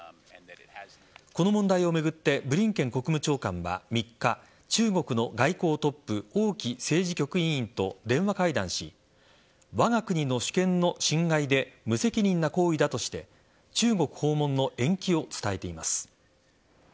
この問題を巡ってブリンケン国務長官は３日中国の外交トップ王毅政治局委員と電話会談しわが国の主権の侵害で無責任な行為だとして中国訪問の延期を伝えています。